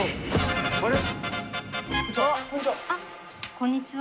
こんにちは。